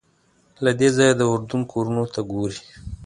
له دې ځایه د اردن کورونو ته ګورې.